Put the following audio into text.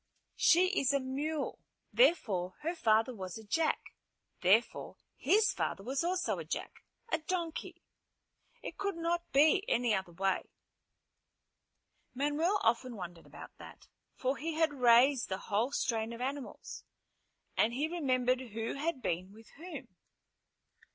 "She is a mule. Therefore, her father was a jack. Therefore his father was also a jack, a donkey. It could not be any other way." Manuel often wondered about that, for he had raised the whole strain of animals, and he remembered who had been with whom.